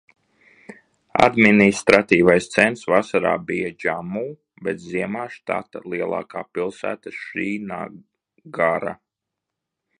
Administratīvais centrs vasarā bija Džammu, bet ziemā štata lielākā pilsēta Šrīnagara.